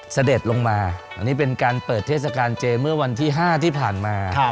เสด็จลงมาอันนี้เป็นการเปิดเทศกาลเจเมื่อวันที่๕ที่ผ่านมา